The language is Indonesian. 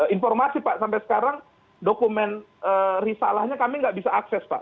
informasi pak sampai sekarang dokumen risalahnya kami nggak bisa akses pak